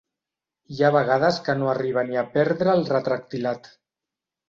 Hi ha vegades que no arriba ni a perdre el retractilat.